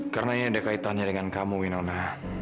karena ini ada kaitannya dengan kamu winona